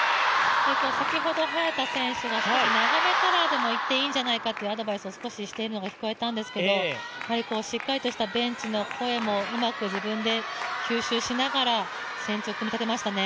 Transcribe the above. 先ほど早田選手が少し長めからでもいっていいんじゃないかというアドバイスをしているのが聞こえたんですけどしっかりとしたベンチの声もうまく自分で吸収しながら戦術を組み立てましたね。